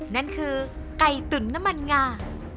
นั่นคือไก่ตุ๋นน้ำมันงา